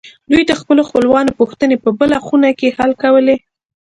دوی د خپلو خپلوانو پوښتنې په بله خونه کې حل کولې